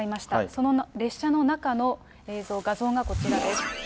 その列車の中の映像、画像がこちらです。